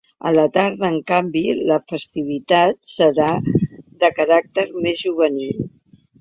A la tarda, en canvi, la festivitat serà de caràcter més juvenil.